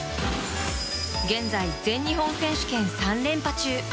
現在、全日本選手権３連覇中。